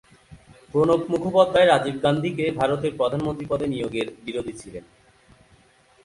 প্রণব মুখোপাধ্যায় রাজীব গান্ধীকে ভারতের প্রধানমন্ত্রী পদে নিয়োগের বিরোধী ছিলেন।